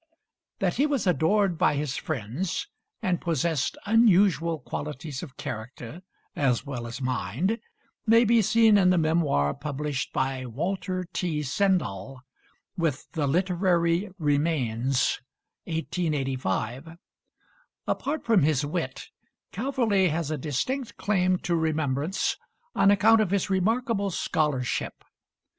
That he was adored by his friends, and possessed unusual qualities of character as well as mind, may be seen in the memoir published by Walter T. Sendall with the 'Literary Remains' (1885). Apart from his wit, Calverley has a distinct claim to remembrance on account of his remarkable scholarship.